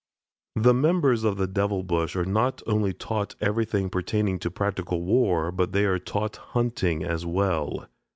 The members of the "Devil Bush" are not only taught everything pertaining to practical war, but they are taught hunting as well.